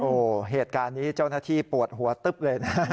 โอ้โหเหตุการณ์นี้เจ้าหน้าที่ปวดหัวตึ๊บเลยนะ